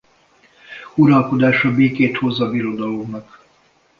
Uralkodása békét hoz a birodalomnak.